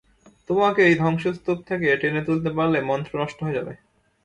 তোমাকে এই ধ্বংসস্তূপ থেকে টেনে তুলতে পারলে, মন্ত্র নষ্ট হয়ে যাবে।